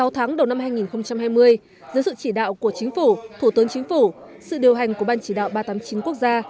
sáu tháng đầu năm hai nghìn hai mươi dưới sự chỉ đạo của chính phủ thủ tướng chính phủ sự điều hành của ban chỉ đạo ba trăm tám mươi chín quốc gia